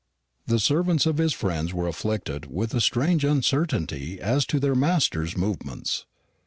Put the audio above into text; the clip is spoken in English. The servants of his friends were afflicted with a strange uncertainty as to their masters' movements.